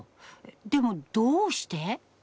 でもどうして？